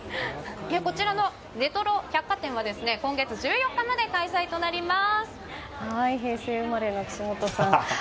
こちらのレトロ百貨展は今月１４日まで開催となります。